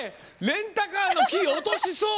レンタカーのキー落としそう！